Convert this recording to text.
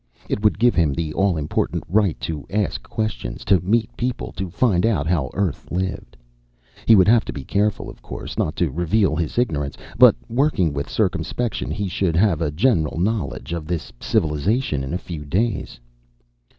It would give him the all important right to ask questions, to meet people, to find out how Earth lived. He would have to be careful, of course, not to reveal his ignorance. But working with circumspection, he should have a general knowledge of this civilization in a few days.